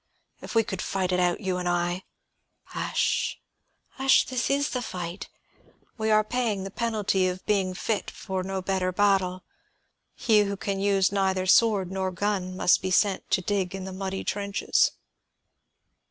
If we could fight it out, you and I!" "Hush, hush; this is the fight. We are paying the penalty of being fit for no better battle; he who can use neither sword nor gun must be sent to dig in the muddy trenches."